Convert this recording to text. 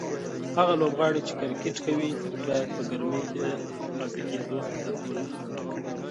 هغه لوبغاړي چې کرکټ کوي باید په ګرمۍ کې د پاتې کېدو عادت ولري.